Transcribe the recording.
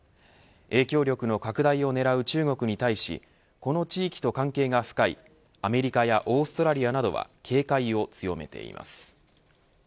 影響力の拡大を狙う中国に対しこの地域と関係が深いアメリカやオーストラリアなどは警戒を強めています。